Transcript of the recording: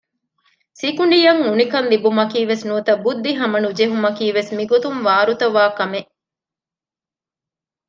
ސިކުނޑިޔަށް އުނިކަން ލިބުމަކީވެސް ނުވަތަ ބުއްދިހަމަނުޖެހުމަކީވެސް މިގޮތުން ވާރުތަވާކަމެއް